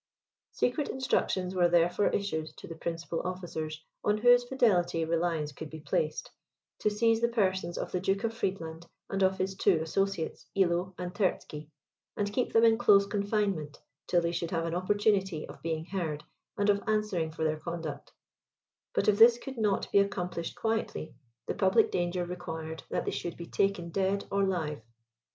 Secret instructions were therefore issued to the principal officers, on whose fidelity reliance could be placed, to seize the persons of the Duke of Friedland and of his two associates, Illo and Terzky, and keep them in close confinement, till they should have an opportunity of being heard, and of answering for their conduct; but if this could not be accomplished quietly, the public danger required that they should be taken dead or live.